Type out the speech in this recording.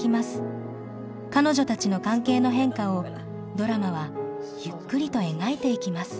彼女たちの関係の変化をドラマはゆっくりと描いていきます。